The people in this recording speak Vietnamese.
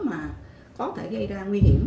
mà có thể gây ra nguy hiểm